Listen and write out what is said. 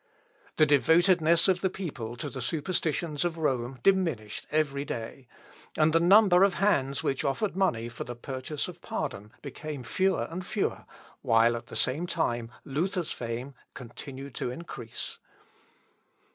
The devotedness of the people to the superstitions of Rome diminished every day, and the number of hands which offered money for the purchase of pardon became fewer and fewer, while at the same time Luther's fame continued to increase.